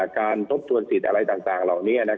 ทบทวนสิทธิ์อะไรต่างเหล่านี้